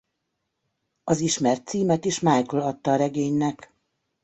Az ismert címet is Michel adta a regénynek.